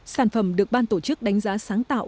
sản phẩm được ban tổ chức đánh giá sáng tạo